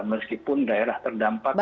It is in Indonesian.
meskipun daerah terdampak